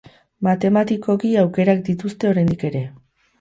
Matematikoki aukerak dituzte oraindik ere.